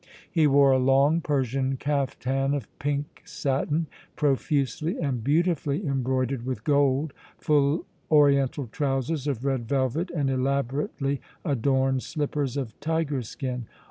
He wore a long Persian caftan of pink satin, profusely and beautifully embroidered with gold, full oriental trousers of red velvet and elaborately adorned slippers of tiger skin.